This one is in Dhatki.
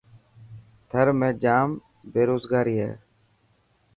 ٿر ۾ ڄام بيروگاري هي.